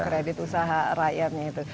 kredit usaha rakyatnya itu